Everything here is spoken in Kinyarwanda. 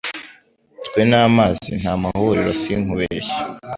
Twe n'amazi ntamahuriro sinkubehsye